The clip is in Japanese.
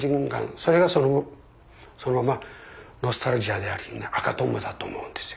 それがそのままノスタルジアであり「赤とんぼ」だと思うんですよ。